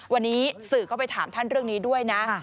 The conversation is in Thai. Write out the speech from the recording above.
วันนี้สื่อก็ไปถามท่านเรื่องนี้ด้วยนะ